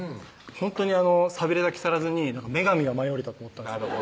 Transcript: ほんとにさびれた木更津に女神が舞い降りたと思ったんです